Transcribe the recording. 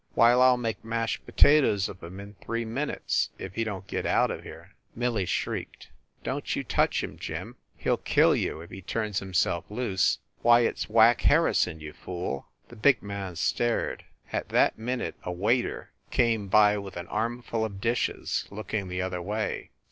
"Why, I ll make mashed potatoes of him in three minutes, if he don t get out of here!" Millie shrieked. "Don t you touch him, Jim! He ll kill you, if he turns himself loose. Why, it s Whack Harrison, you fool!" The big man stared. At that minute a waiter came by with an armful of dishes, looking the other way.